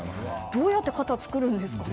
どうやって肩を作るんですかね。